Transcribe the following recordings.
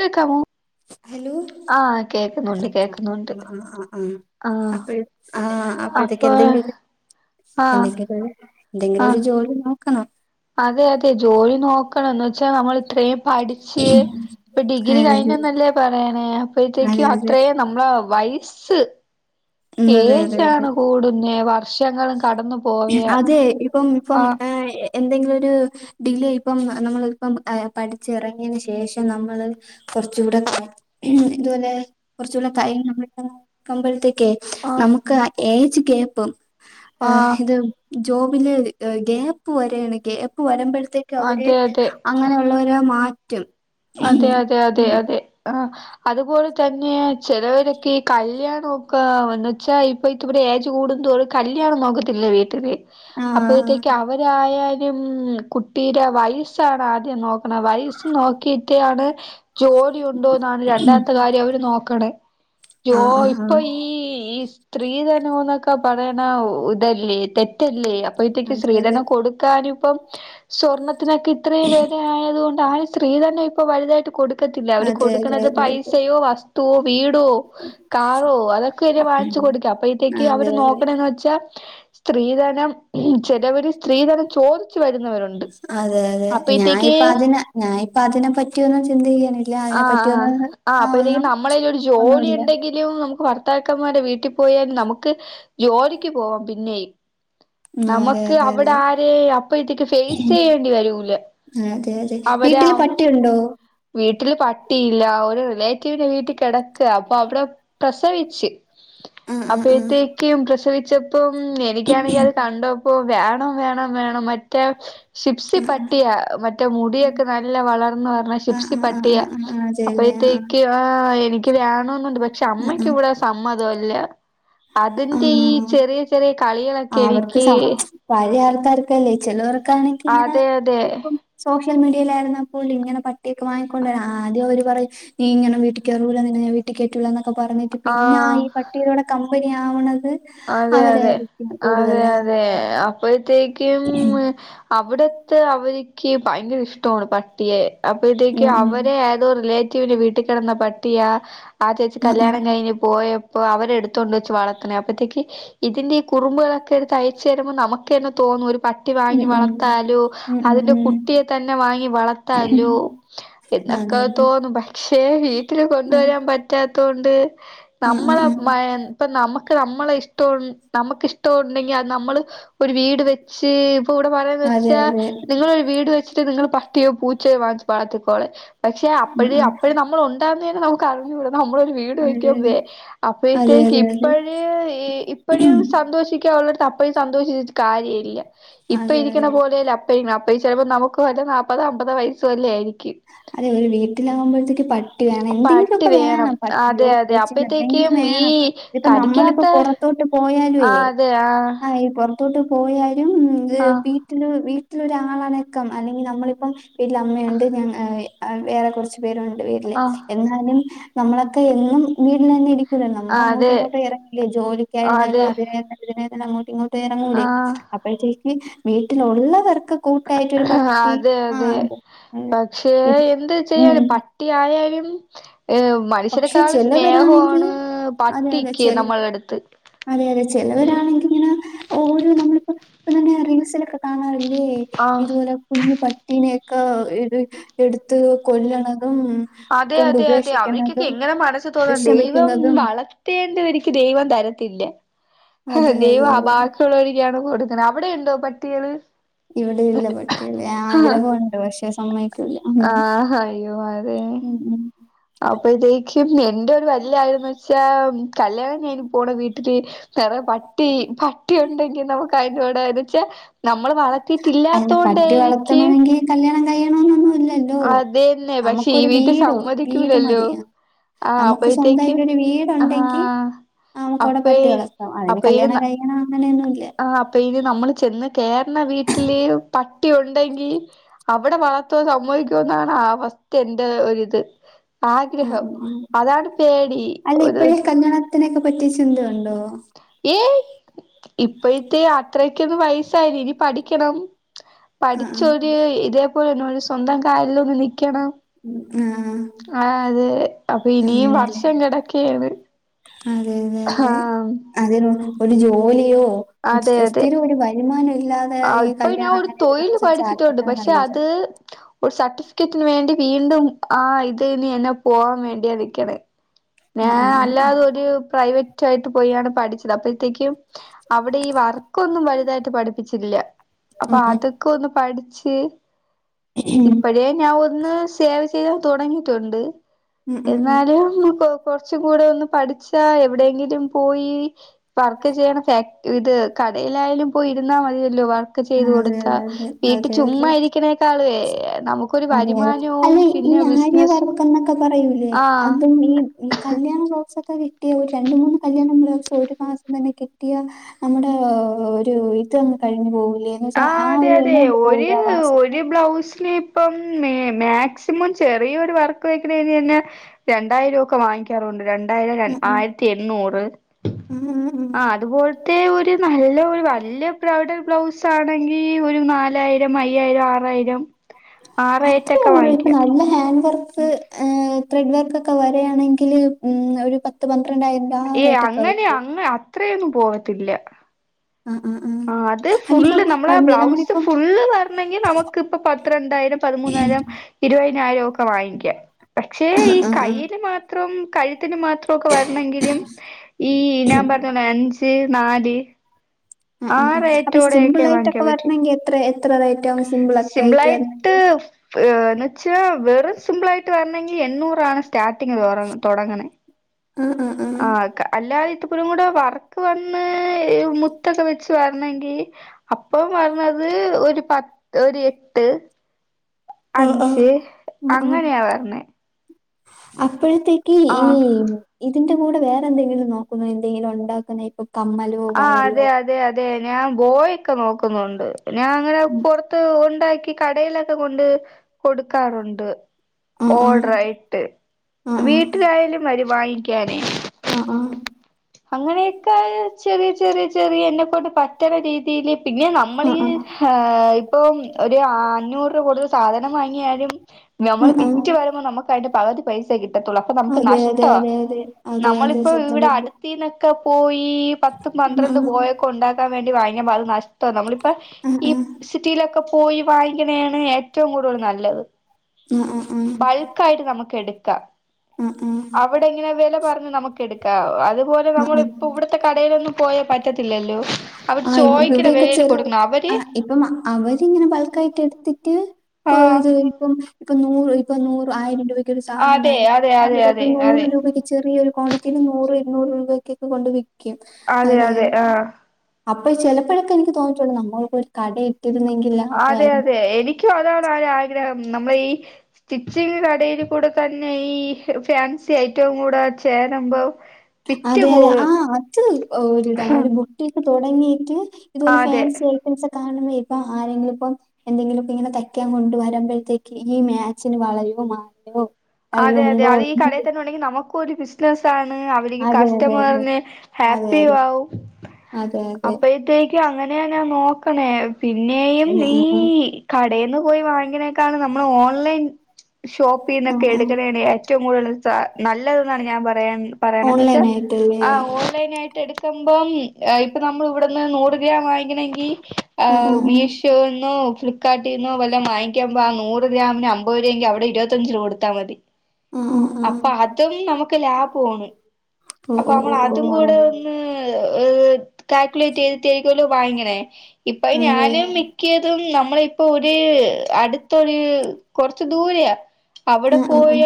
കേക്കാമോ ഹലോ ആഹ് കേക്കുന്നുണ്ട് കേക്കുന്നുണ്ട് അ ആഹ് ആ അപ്പോഴത്തേക്ക അപ്പൊ എന്തെും എന്ത ആഹ് എന്തെങ്കിലും ആഹ് ഒരു ജോലി............. ക്കണോ........... അതെ അതെ ജോലി നോക്കണം.......... ച്ചാ [unintelligible] അത്രയും പഠിച്ച് ഇപ്പൊ ഡിഗ്രി കഴിഞ്ഞന്നല്ലേ പറയണേ അപ്പഴത്തേക്കു അതെ അതെ അതെ അതെ അത്രയും നമ്മളെ വയസ്............. ശ് ഉം അതെ അതെ ഏചാണ് അതെ കൂടുന്നേ വർഷങ്ങളും കടന്നു പോവിയ ആഹ എന്തെങ്കിലര് ഡിലേ ഇപ്പം നമ്മളിപ്പം പഠിച്ച ഇറങ്ങിയു ശേഷം നമ്മൾ കുറച്ചുകൂടെ ഉ ഇതുപോലെ കുറച്ചൂടെ കൈ നമ്മളുടെ ആകുമ്പാഴുതെക്കെ ആഹ് നമുക്ക് ഏച് കേപ്പം ആഏ ആഹ് ഇത് ജോബില് ഗ്യാപ്പ് വരാണ് ഗ്യപ്പ് വരമ്പ അവര് അതെ അതെ അങ്ങനെയുള്ള മാറ്റ റ്ററ്റം അതെ അതെ അതെ അതെ ആ അതുപോലെ തന്നെ ചെിലവരൊക്കെ ഈ അതുപോലെതന്നെ ചിലവരൊക്കെ കല്യാണംമ ഒക്കെ എന്നന്നവച്ചാ ഇപ്പൊ ഇത്തവിടെ ഏജ് കൂടതോടെ കല്യാണം നോക്കത്തില്ല വീട്ടില് ആഹ് അപ്പോഴത്തേക്ക് അവരായ ഉം കുട്ടിയുടെ വയസ്സാണ് ആദ്യം നോക്ക അ വായിസ നോക്കിയിട്ട് ഠാണ് ജോലി ഉണ്ടോ എന്നാണ് രണ്ടാമത്തെ കാര്യം അവ നോക്കണേ ജോ ആഹ് ആഹ് ഇപ്പൊ ഈ സ്ത്രീധനം മോക്കെ പഠയണ ഇതല്ലേ തെറ്റല്ലേ അപ്പൊ ഇത്തേക്ക് ആഹ് ശ്രീധന അതെ കൊടുതാലും ഇപ്പം ഉ സ്വർണത്തിനൊക്കെ ഇത്രയും വിലആയതുകൊണ്ട് ആ സ്ത്രീ തന്നെ വലുതായിട്ട് ത്തില്ല അവര് അതെ അതെ കൊടുക്കണത് അതെ അതെ പൈസയോ വസ് തു വീടോ കാറോ അതൊക്കെ ഉം വാങ്ങിച്ചു കൊടുക്കുക അപ്പഴത്തേക്ക് അതെ അവര് അതെ നോക്കണന്ന് വെച്ചാ സ്ത്രീധനം ചെിലവര് സ്ത്രീധന അതെ അതെ അപ്പഴത്തേക്ക് ഞാനിപ്പോൾ അതിനെ ഞാനിപ്പോ അതിനെപ്പറ്റി ചിന്തിക്കാൻ ഇല്ല ആഹ് ആ് ആ അപ്പൊ ഇതേും നമ്മളെല ഒരു ജോലി ഒന്നുമില്ല ഉണ്ടെങ്കിലും നമുക്ക് ഭർത്താക്കന്മാരെടെ വീട്ടിൽ പോയാൽ നമുക്ക് ജോലിക്ക് പോവാൻ പിന്നെയും ഉം അതെ നമക്ക് അതെ അവിടെ അതെ ആരേ അപ്പഴത്തേക്ക് ഫേസ് ചെയ്യേണ്ടി വരൂല അതെ അതെ അവരാ വീട്ടില് പട്ടിയുണ്ടോ വീട്ട വീട്ടില് പട്ടിയില്ല ഒരു റിലേറ്റീവിന്റെ വീട്ടിൽ കിടക്കുക അപ്പൊ അവിടെ പ്രസവിച്ച് ആഹ് ആഹ് അപ്പോഴത്തേക്കെയും പ്രസവി ചെപ്പ് പ്പം എനിക്കാണെങ്കിൽ അത് കണ്ടോ അപ്പൊ വേണം വേണം വേണം മറ്റേ ഷിപ്സി പട്ടിയ മറ്റേ മുടിയൊക്കെ നല്ല വളർന്ന് വരുന്ന ആഹ് ഷിപ്സി ആഹ് പ- ആഹ് ആഹ് ആഹ് ആഹ് അതെല്ലേ ആഹ് അപ്പഴത്തേക്ക് ആ എനി എക്ക് വേണെന്നുണ്ട്. പക്ഷെ അമ്മയ്ക്ക് ആഹ് ഇവിടെ സമ്മതം അ ല്ല. ആഹ് അതിന്റെ ഈ ആഹ് ചെറിയ ചെറിയ കളികളൊക്കെ എനിക്ക് ക്കാരക്കല്ലേ ചേലോര ക്കാണെങ്കി ഇങ്ങനെ അതെ അതെ പ്പം സൊ സോഷ്യൽ മീഡിയയിലായിരുന്നപ്പോൾ ഇങ്ങന പട്ടിയോക്കെ വാങ്ങിക്കണ്ടരാ ആദ്യം അവര് പറയും നീ ഇങ്ങനെ വീട്ടികേറൂല്ല നിന്നെ ഞാൻ വീട്ടി കേറ്റൂല്ല എ പറഞ്ഞിട്ട് പിന്നെ ആ ആഹ് ഈ പട്ടിയിലോടെ [inaudible] അതെ അതെ അതെ അതെ അപ്പോഴത്തേക്ക് [inaudible] അവിടത്തെ അവർക്ക് ഭയങ്കര ഇഷ്ടമാണ് പട്ടിയെ അപ്പേഴ്‌തേക്ക് ഉം ഉം അവരെ ഏതോ റിലേ റ്റി ഒരു വീട്ടിൽ കിടന്ന പട്ടിയ ആ ചേച്ചി കല്യാണം കഴിഞ്ഞ് പോയ അപ്പ അവരെടുത്തോണ്ട് വച്ച വളത്തനെ അപ്പത്തേക്ക് ഇതിന്റെ കുറുമ്പുകളൊ തയച്ചു തരുമ്പോ നമക്ക് ക്കങ്ങു തോന്നു ഒരു പട്ടി ഉം വാങ്ങി വളർത്താലോ ഉം ഉം അതിന്റെ ഉം കുട്ടിയെ തന്നെ വാങ്ങി വളർത്താലോ ഉം എന്നൊക്കെ അതെ തോന്നും പക്ഷേ വീട്ടിൽ അതെ ആ കൊണ്ടുവരാൻ പറ്റാത്ത കൊണ്ട് ആ ആ നമ്മളെ മ ഇപ്പ നമ നമ്മളെ ഇഷ് [unintelligible] നമുക്ക് ഇഷ്ടം ഉണ്ടെങ്കിൽ അത് നമ്മള് ഒരു വീട് വെച്ച് ഇപ്പൊ ഇവിടെ പറയാന്ന് ആ അതെ വെച്ചാ അതെ നിങ്ങള ഒരു വീട് വെച്ചിട്ട് നിങ്ങ ട്ടിയോ പൂച്ചേ വാച്ച് പാത്തിക്കോളെ പക്ഷെ ആ അപ്പഴ് അപ്പഴ് ആ നമ്മൾ ഉണ്ടാന്ന് തന്നെ നമുക്ക് അറിഞ്ഞു കൂട നമ്മളൊരു വീട് അതെ വയ്ക്കൻ അതെ വേ അപ്പോഴത്തേക്ക് അതെ അതെ ഇപ്പഴേ അതെ ഈ ഴും സന്തോഷിക്ക ഉള്ളടത്ത് അപ്പഴും സ [unintelligible] കാര്യമല്ല ഇപ്പൊ അതെ ഇരിക്കണ അതെ പോലല്ല അപ്പ ഇ അ ചിലപ്പോ നമുക്ക് വല്ല നാപ്പത അമ്പത വയസ് വല്ലെയ ആരിക്കും അതെ ഒരു വീട്ടിലാകുമ്പോഴത്തേക്ക് പട്ടി വേണം പട്ടി എന്തെങ്കിലുമൊക്കെ വേണം പട്ടിയോ അതെ അതെ പൂച്ചോ അപ്പഴത്തേക്കും എന്തെങ്കിലും ഈ വേണം ഇതിപ്പോ നമ്മളിപ്പൊ കടിക്കാത്ത പുറത്തോട്ട് ആ പോയാലുവേ അതെ ആ ഈ പൊറത്തോട്ട് പോയായി ആ [unintelligible] വീട്ടില് വീ ട്ടിലൊരാളനക്കം അല്ലെങ്കി നമ്മളിപ്പം വീട്ടിലമ്മയുണ്ട് ഞാ വേ ആ വേറെ കൊറച്ച് പേരൊണ്ട് വീട്ടില് ആ എന്നാലും നമ്മളൊക്കെ എന്നും വീട്ടിലന്നെ ഇരി നമ്മളങ്ങോട്ടു അതെ ഇങ്ങോട്ട് എറങ്ങില്ലേ ജോലിക്കാര്യനായാലും അതെ അതിനായാലും [unintelligible] അങ്ങോട്ടു ഇങ്ങോട്ട് ആ എറങ്ങൂലേ അപ്പഴ്ത്തെ വീട്ടിലൊള്ളവർ ക്ക്‌ കൂട്ടായിട്ടൊരു പട്ടി ആ അതെ അതെ. ക്ഷേ ഇ- എന്ത് ഉം ചെയ്യാന് പട്ടിയായ പെവിം പക്ഷെ ചെലവരാണെങ്കിൽ അതെ അതെ പട്ടിക്ക് ചെൽ നമ്മള അടുത്ത് അതെ അതെ ചെലവരാണെങ്കിങ്ങനെ ഓരോ നമ്മളിപ്പോ ഇപ്പം തന്നെ റീൽസിലൊക്കെ കാണാറില്ലേ? ലേ ആ ഇതുപോലെ കുഞ്ഞി പട്ടീനെ ക്കാ എട് എടുത്ത് കൊല്ലണം ഉം കൊണ്ടുപേഷി ണം. ക്ക്‌ എങ്ങനെ മനസ്സ് തോന്നണ്ട് ദൈവം വളർത്തിയെന്റെ എനിക്ക് ദൈവം തര ത്തില്ലേ അതെ അതെ ദൈവം അ അതെ ബാക്കിയൊള്ളോരിക്കാണ് കൊടു ങ്ങനാ അവിടെ ഉണ്ടോ പട്ടികള്? ഇവിടെയില്ല പട്ടികള് ആഗ്രഹോണ്ട് പഷെ സമ്മയ് ആ ഹയ്യോ അതെ ഉം ഉം. അപ് അപ്പഴത്തേക്കും എന്റെ ഒരു വെല്ലാഗ്രഹം ന്നച്ചാ കല്ല്യാണം കഴിന് പോണ വീട്ടില് ചെറയ പട്ടി പട്ടി ഉണ്ടെങ്കി നമക്ക് അയിനോട് വേണച്ച നമ്മള് വളത്തിട്ടില്ലാത്തോണ്ടാരിക്കും കഴിയണൊന്നൊന്നു ഇല്ലല്ലോ പക്ഷെ ഈ നമക്കൊരു വീട്ടിൽ വീടോ വീട് സമ്മതിക്കൂലല്ലോ മതി ആഹ് നമക്ക് അപ്പഴത്തേക്ക് സ്വന്തായിട്ടൊരു വീടൊണ്ടെങ്കി ആഹ് നമക്ക് അവിടെ അപ്പേ പട്ടി വളർത്താം അതിന് അപ്പ കല്യാണം ഇ കഴിക്കണം അങ്ങനെയൊന്നുമില്ല ആ അപ്പ നി നമ്മള് ചെന്ന് കേർണ വീട്ടില് പട്ടി ഉണ്ടെങ്കി അവടെ വളർത്തോ സമ്മതിക്കോന്നാണ് അവസ്ഥ എന്റെ ഒരിത് ഉം ആഗ്രഹം ഉം ഉം. അതാണ് പേടി ഒര് പറ്റി ചിന്ത ഒണ്ടോ? ഏയ് ഇപ്പോഴത്തെ യാത്ര വയസ്സായില്ലേ ഇനി പഠിക്കണം ആ ആ പഠിച്ചൊര് ഇത് [unintelligible] സ്വന്തം കാലിൽ ഒന്ന് നിൽക്കണം. ഉം, ആ ആ, അതെ അപ്പൊ ഇനിയും അങ്ങനെയല്ലേ വർഷം കിടക്കയാണ്, അതെ അതെ ആ ഓഴിവോ അതെ അതെ സ്ഥിരം ഒരു വരുമാനം ഇല്ലാതെ ഈ ഇപ്പൊ ഞാൻ കല്യാണം ഒരു അങ്ങനെ തൊഴിൽ ഇതിനൊന്നും വെച്ചാൽ പഠിച്ചിട്ടുണ്ട് ചാടിപ്പെട്ടത് പക്ഷെ നല്ലത് അത് ഒരു സർട്ടിഫിക്കറ്റിന് വേണ്ടി വീണ്ടും ആ ഇത് ഇനി എന്നെ പോവാൻ വേണ്ടിയാ നിക്കണെ. ആ ഞാൻ ആ ആ ആ. അല്ലാതെൊരു പ്രൈവറ്റ് ഉറ്റായിട്ട് പോയിയാണ് പഠിച്ചത് അപ്പോഴത്തേക്കും അവിടെ ഈ വർക്ക് ഒന്നും വലുതായിട്ട് പഠിപ്പിക്ക ഇല്ല, അപ്പൊ ഉം ഉം അതൊക്കെ ഒന്ന് പഠി പക്ഷേ ഇപ്പഴേ [unintelligible] എന്നാ സേവ് ചെയ്യാൻ തുടങ്ങിയിട്ടുണ്ട് ഉം ഉം ഉം. എന്നാലും കുറ കുറച്ചും കൂടെ ഒന്ന് പഠിച്ചാ എവിടെയെങ്കിലും പോയി വർക്ക് ചെയ്യണ ഫാക്ട് ഇത് കടയിലായാലും പോയി ഇരുന്നാ മതിയല്ലോ ബാക്കി അതെ, അതെ ഇരിക്കണേക്കാളുവേ നമുക്കൊരു അതെതെ, വരുമാനവും അല്ലെ ഈ പിന്നെ ബിസിനസും ആര്യവർക്ക് എന്നൊക്കെ പറയൂലേ ആഹ് അതും ഈ ഈ കല്യാണ കിട്ടിയ, ഒരു രണ്ട മൂന്ന് കല്യാണ ബ്ലൗസ് ഒരു മാസം തന്നെ കിട്ടിയ നമ്മുടെ ഒരു ഇത്ങ്ങ് കഴിഞ്ഞു പോകൂ ലെ ആ അതെ അതെ ഒരു മാസത്തെ ഒരു ബ്ലൗസ് ലീ് ഇപ്പം മാക്സിമം ചെറിയൊരു വർക്ക് വെക്കണേന് തന്നെ രണ്ടായിരം ഒക്കെ വാങ്ങിക്കാറുണ്ട് രണ്ടായിരം, ഉം ആയിരത്തി എണ്ണൂറ്, ഉം ഉം ഉം ഉം ആ അതുപോലത്തെ ഒരു നല്ല വലിയ ബ്രൈഡൽ ബ്ലൗസ് ആണെങ്കിൽ ഒരു നാലായിരം അയ്യായിരം, ആറായിരം ആ അത്രെ റേറ്റൊക്കെ അങ്ങ് ഉളള്, ഇപ്പൊ വാങ്ങിക്കാം നല്ല ഹാൻഡ് വർക്ക് [unintelligible] ത്രഡ് വർക്കൊക്കെ വരികെ ആണെങ്കിൽ ഏ അങ്ങനെയ അങ്ങ അത്രയൊന്നും പോവത്തില്ല ആഹ് ആഹ് ആഹ് ആ അത് അല്ലിപ്പം ഫുള്ള് നമ്മളൾ വലിയ ബ്ലൗസ് നമ്മളിപ്പം ഫുള്ള് വരണെങ്കിൽ നമുക്ക് ഇപ്പ പത്തി രണ്ടായിരം പതിമൂന്നായിരം ഇരുപാ നായിരംഒക്കെ വാങ്ങിക്കാം. പക്ഷേ ഈ ആഹ് ആഹ് ആഹ് കയ്യില് മാത്രം കഴി ത്തിന് മാത്രമൊക്കെ വരണമെങ്കിലും ഈ ഞാൻ പറഞ്ഞെ അഞ്ച് നാല് ഉം ആ ഉം ഉം അപ്പൊ ഈ സിമ്പിളാ യിട്ടൊക്കെ വരണെങ്കിൽ എത്ര എത്ര റേറ്റ് ആവും സിമ്പിൾ ഒക്കെ ആയിട്ട് സിപിളായിട്ട് വരണെങ്കി എന്ന് വെച്ച് വെറു സിമ്പിൾ ആയിട്ട് വരണെങ്കിൽ എണൂറാണ്. സ്റ്റാർട്ടിങ് തുട തുടങ്ങനെ? ആഹ് ആഹ് ആഹ് ആ അല്ല മപ്പരും കൂടെ വർക്ക് വന്ന് മുത്തൊക്കെ വെച്ച് വരണെങ്കി അപ്പൊ വന്നത് ഒരു പത്ത ഒരു എട്ട് ആഹ് ആഹ് അഞ്ച് അങ്ങനെയാവരണേ. അ ഇപ്പോഴത്തേക്ക് ഈ ഇതിന്റെ കൂടെ വേറെ എന്തെിലും നോക്കുന്നോ? എന്തെങ്കിലും ഉണ്ടാക്കുന്ന ഇപ്പം? ആ അതെ അതെ അതെ. ഞാൻ ബോയൊക്കെ നോക്കുന്നുണ്ട്. ഞാൻ അങ്ങനെ പുറത്ത് ഒ ആക്കി കടയിലൊക്കെ കൊണ്ട് കൊടുക്കാറുണ്ട്. ആഹ് ആഹ് ഓർഡറായിട്ട് ആഹ് വീട്ടിയാലും വരു വാങ്ങിക്കാനേ. ആഹ് ആഹ് അങ്ങനെയൊക്കെ ചെറിയ ചെറിയ ചെറിയ എന്നെ കൊണ്ട് പറ്റ പറ്റുന്നരീതിയില് പിന്നെ നമ്മൾ ആഹ് ഈ ആഹ് ഹ ഇപ്പൊ ഒരു അഞ്ഞൂറ് രൂപ കൊടുത്ത് സാധനം വാങ്ങിയാലും നമ്മൾ ആഹ് ആഹ് വിറ്റ് വരുമ്പോൾ നമുക്ക് അതിന്റെ പകുതി പൈസേ കിട്ടത്തുള്ളു അപ്പൊ നമുക്ക് അതെ അതെ നഷ്ടമാ. അതെ അതെ അതെ അതെ നമ്മളിപ്പോ സത്യം ഇവിടെ സത്യം അടുത്തിന്നൊക്കെ പോയി. പത്ത്, പന്ത്രണ്ട്, ആഹ് ബോയൊക്കെ ഉണ്ടാക്കാൻ വേണ്ടി വാങ്ങി അത് നഷ്ടവാ നമ്മ ആഹ് ഈ ആഹ് സിറ്റിലൊക്കെ പോയി വാങ്ങിക്കണെയാണ് ഏറ്റവും കൂടുതൽ നല്ലത്. ആഹ് ആഹ് ആഹ് ബൾക്ക് ആയിട്ട് നമുക്ക് എടുക്കാം. ആഹ് ആഹ് അവിടെ ഇങ്ങനെ വെല പർഞ്ഞ് നമുക്ക് എട് ക അത് പോലെ ആഹ് നമ്മള് ആഹ് ഇപ്പോ ആഹ് ഇവിടുത്തെ കടയിലൊന്നും പോയാ പറ്റത്തില്ലല്ലോ അവര് ആ ചോദിക്കണ ഇവിടൊക്കെ വിലയിൽ ചെറു കൊടുക്കണം അവര് ആഹ് ഇപ്പം അവരിങ്ങനെ ബൾക്ക് ആയിട്ട് എടുത്തിട്ട് കൊ ആ ഇത് ഇപ്പം നൂറ് ഇപ്പ നൂറ് ആയിരം രൂപ ക്കൊരു സാനം അതെ വാങ്ങി അതെ അതെ അവര് അത് അതെ നൂറ് അതെ രൂപക്ക് ചെറിയൊരു ക്വാണ്ടിറ്റീല് നൂറ് ഇരുനൂറ് രൂ രൂപയ്ക്ക് ഒക്കെ കൊണ്ട് വി ക്കും അതെ അതെയ അതെ ആ അപ്പൊ ചെലപ്പഴൊക്കെ എനിക്ക് തോന്നീട്ടൊണ്ട് നമ്മള് ഇപ്പം ഒരു കടെം അതെ അതെ എനിക്കും അതാണ് ഒരു ആഗ്രഹം നമ്മള് ഈ സ്റ്റിച്ചിങ് കടേൽ കൂടെ തന്നെ ഈ ഫാൻസി ഐറ്റവും കൂടെ ചേരുമ്പോ വിറ്റ് അതെ അതെ പോകും ആഹ് അത് ഒരു ഇതാണ് ഒരു ബൊട്ടിക്ക് തൊടങ്ങീട്ട് ഇതുപോലെ അതെ ഫാൻസി ഐറ്റംസൊക്ക [unintelligible] ഇപ്പ ആരെങ്കിലും ഇപ്പം എന്തെങ്കിലും ഒക്കെ ഇങ്ങനെ തയ്ക്കാൻ കൊണ്ട് വരുമ്പോഴത്തേക്ക് ഈ മാച്ചിന് വളയോ മാലയോ അതെ അതെ കയ്യിലുണ്ടോ അത് ഈ എന്ന് കടേതന്നെ ഒണ്ടെങ്കിൽ നമുക്ക് ഒരു ബിസിനസ്സ് ആ ആണ് അവിരിക് അതെ, അതെ, അതെ. കസ്റ്റമർന് അതെ, ഹാപ്പിയും അതെ. ആകും അതെ, അതെ. അപ്പഴാത്തേക്ക് അങ്ങനെ [unintelligible] ഞാൻ നോക്കണേ പിന്നെയും ഉം, നീ ഉം, ഉം. കടേന്ന് പോയി വാങ്ങിനെ ക്കാണ് നമ്മൾ ഓൺലൈൻ ഷോപ്പീന്നൊ ആ, ഒക്കെ ആ. എടുക്കണേണ് ഏറ്റോം കൂടുതൽ സാ നല്ലത് ന്നാണ് ഞാൻ പറയാ പറയണേന്ന് വെച്ചാ ഓൺലൈനായിട്ടല്ലേ? ആ ഓൺലൈൻ ആയിട്ട് എടുക്കമ്പം ഇപ്പ നമ്മൾ ഇവിടെ നൂറുരുപയാ വാങ്ങിക്കണെ എങ്കിൽ ആ, ആഹ് ആ. മീഷോന്നോ ഫ്ലിപ്പ്കാർട്ടീന്നോ വല്ലോം വാങ്ങിക്കമ്പ ആ നൂറു ഗ്രാമിന് അൻമ്പത് രൂപേങ്കിൽ അവിടെ ഇരുപത്തഞ്ച് രൂപ കൊടു ത്താൽ മതി ആ, ആ, ആ. അപ്പ അതും നമുക്ക് ലാഭോണ് ഓ, ഓ, അപ്പമ്മൾ ഓ, ഓ. അതും കൂടെ അങ്ങനെ. ഒന്ന് ഏഹ് കാൽക്കുലേറ്റെയ്തിട്ട് ആരിക്കോല്ലോ വാങ്ങണേ ഇപ്പ അതെ. ഞാനും മിക്കതും നമ്മളെ ഇപ്പൊ ഒരു അടുത്തൊരു കൊറച്ച് ദൂരെയാ ആ, അവിടെ ആ, ആ. പോയ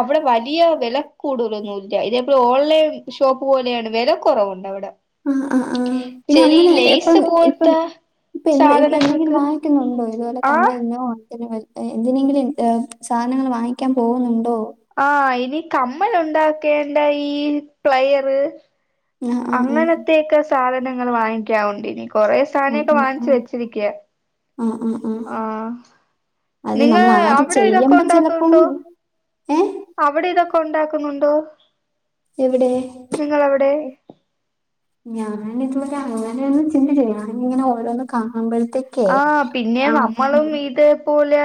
അവിടെ വലിയ വില കൂടുതലൊന്നുമില്ല ഇ ഓൺലൈൻ ഷോപ്പ് പോലെയാണ് വില കുറവുണ്ട് അവിടെ ആ ആ് ആഹ് പിന്നെ ചെറി അങ്ങനെ ഇപ്പം ലെയ്സ് ഇപ്പം പോലത്തെ ഇപ്പൊ എ ഇപ്പൊ എന്തെങ്കിലും സാധനങ്ങൾക്ക് വാങ്ങിക്കുന്നുണ്ടോ ഇതുപോലെ ആഹ് കമ്മലിനോ എന്തിനെങ്കിലും സാധനങ്ങൾ വാങ്ങിക്കാൻ പോകുന്നുണ്ടോ കമ്മൾ ഉണ്ടാക്കേണ്ട ഈ പ്ലയർ ആ ആ ആ ആ അങ്ങനത്തക്കെ സാധ ങ്ങൾ വാങ്ങിക്കാ കൊണ്ടിരിക്ക കൊറെ ആ സാധനംക്കെ വാങ്ങിച്ചു വെച്ചിരിക്കയാ ആ ആ ആ ആ. ആഹ അത് നിങ്ങ നമ്മൾ ആദ്യം അവിടെ ഇതൊക്കെ ചെയ്യുമ്പോ ചിലപ്പം ഉണ്ടാക്കുന്നുണ്ടോ ഏ അവിടെ ഇതൊക്കെ ഉണ്ടാക്കുന്നുണ്ടോ എവിടെ നിങ്ങളവിടെ ഞാാന ഇതുവരെ അങ്ങനെയ ഒന്ന് ചിന്തിച്ച ഞാന ഇങ്ങനെ ഓരോന്നും കാണുമ്പോഴ ആ് പിന്നെ നമ്മളും ഇത് പോലെ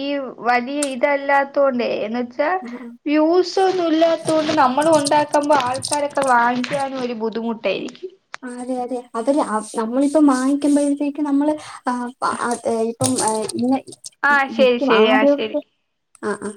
ഈ വലിയ ഇതല്ലാത്തോണ്ടേ എന്നിട്ട് ഉം, ഉം. യൂസ ഒന്നല്ലാത്ത കൊണ്ട് നമ്മൾ ഉണ്ടാക്കുമ്പോ ആൾക്കാരൊക്കെ വാങ്ങാനും ഒരു ബുദ്ധിമുട്ട് ട്ടായിരിക്കും അതെ അതെ അതല്ല നമ്മളിപ്പം വാങ്ങിക്കുമ്പോഴത്തേക്ക്ും നമ്മൾ ഇപ്പം ഇ ആഹ ശരി ശരി ആ ശരി ആഹ ആ